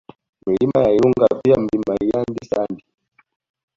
Milima ya Ilunga pia Mlima Ilyandi Sandi